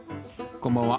こんばんは。